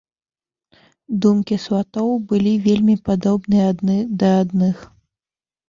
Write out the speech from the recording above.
Думкі сватоў былі вельмі падобныя адны да адных.